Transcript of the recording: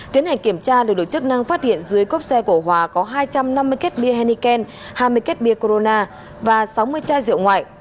tiến hành kiểm tra lực lượng chức năng phát hiện dưới cốp xe của hòa có hai trăm năm mươi kết bia henneken hai mươi kết bia corona và sáu mươi chai rượu ngoại